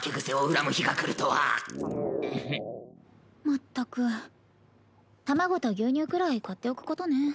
こんなにもまったく卵と牛乳くらい買っておくことね。